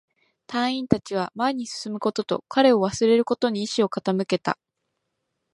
隊員達は前に進むことと、彼を忘れることに意志を傾けた